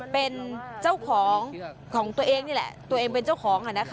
เป็นเจ้าของของตัวเองนี่แหละตัวเองเป็นเจ้าของ